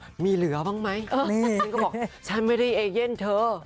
มีเหลือบ้างไหมฉันก็บอกฉันไม่ได้เอเย่นเธอ